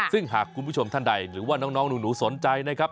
ซึ่งหากคุณผู้ชมท่านใดหรือว่าน้องหนูสนใจนะครับ